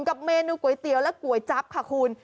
กับเมนูก๋วยเตี๋ยวและก๋วยจั๊บค่ะคุณ